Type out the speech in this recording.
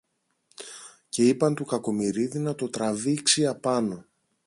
και είπαν του Κακομοιρίδη να το τραβήξει απάνω